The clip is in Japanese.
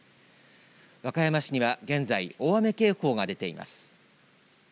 和歌山市には現在大雨警報が出ています。